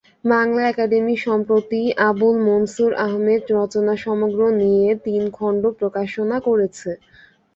Bangla academy সম্প্রতি আবুল মনসুর আহমদ রচনাসমগ্র নিয়ে তিন খণ্ড প্রকাশনা করেছে।